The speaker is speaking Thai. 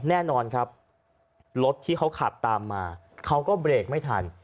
แน่นอนครับรถที่เขาขับตามมาเขาก็เบรกไม่ทัน